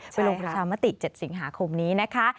ไปลงประชามาติก๗สิงหาคมนี้